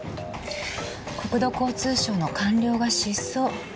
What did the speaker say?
国土交通省の官僚が失踪。